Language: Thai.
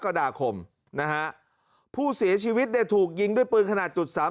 กระดาคมนะฮะผู้เสียชีวิตเนี่ยถูกยิงด้วยปืนขนาดจุดสาม